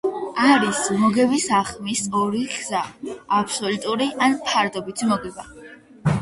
არის მოგების აღქმის ორი გზა: აბსოლუტური, ან ფარდობითი მოგება.